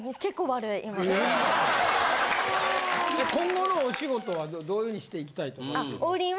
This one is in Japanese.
今後のお仕事はどういう風にしていきたいとかいうのは。